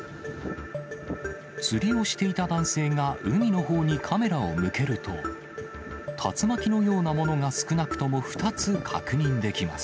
釣りをしていた男性が、海のほうにカメラを向けると、竜巻のようなものが少なくとも２つ確認できます。